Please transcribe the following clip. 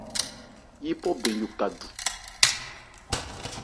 Yípɔ bɛn yo ka du.